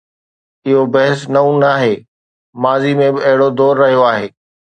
اهو بحث نئون ناهي، ماضي ۾ به اهڙو دور رهيو آهي.